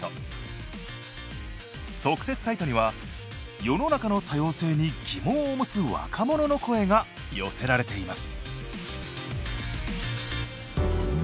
特設サイトには世の中の多様性に疑問を持つ若者の声が寄せられています。